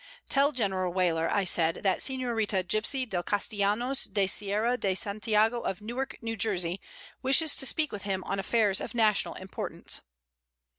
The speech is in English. "Tell General Weyler," said I, "that Señorita Gypsy del Castillanos de Sierra de Santiago, of Newark, New Jersey, wishes to speak with him on affairs of national importance."